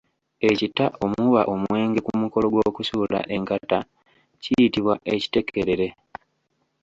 Ekita omuba omwenge ku mukolo gw'okusuula enkata kiyitibwa Ekitekerere.